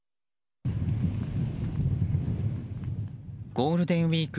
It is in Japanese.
ゴールデンウィーク